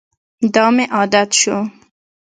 دا مې عادت شو.